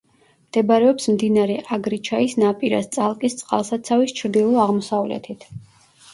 მდებარეობს მდინარე აგრიჩაის ნაპირას, წალკის წყალსაცავის ჩრდილო-აღმოსავლეთით.